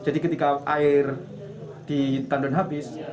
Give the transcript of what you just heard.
jadi ketika air di tandon habis